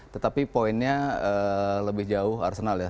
tetapi poinnya lebih jauh arsenal ya